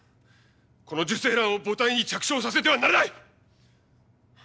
この受精卵を母体に着床させてはならない！